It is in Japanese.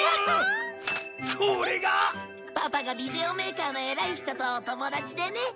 パパがビデオメーカーの偉い人と友達でね。